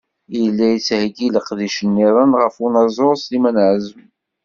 Yella yettheggi leqdic-nniḍen ɣef unaẓur Sliman Ɛazem.